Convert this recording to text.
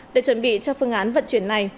để chuẩn bị cho phương án vận chuyển này